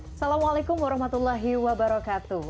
assalamualaikum warahmatullahi wabarakatuh